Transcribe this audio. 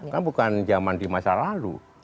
kan bukan zaman di masa lalu